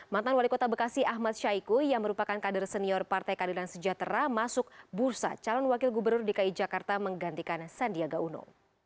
mantan wali kota bekasi ahmad syahiku yang merupakan kader senior partai keadilan sejahtera masuk bursa calon wakil gubernur dki jakarta menggantikan sandiaga uno